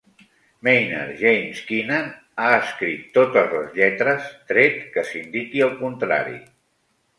Maynard James Keenan ha escrit totes les lletres, tret que s'indiqui el contrari.